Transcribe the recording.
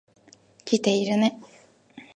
来ているね。